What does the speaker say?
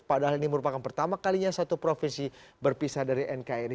padahal ini merupakan pertama kalinya satu provinsi berpisah dari nkri